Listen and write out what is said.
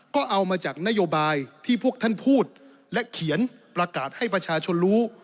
ก็เอามาจากนโยบายที่พวกท่านพูดและเขียนประกาศให้ประชาชนรู้